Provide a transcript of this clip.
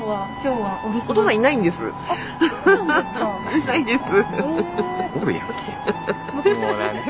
いないんです。